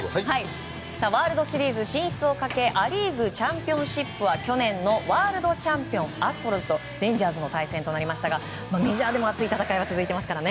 ワールドシリーズ進出をかけア・リーグチャンピオンシップは去年のワールドチャンピオンアストロズとレンジャーズの対戦となりましたがメジャーでも熱い戦いは続いてますからね。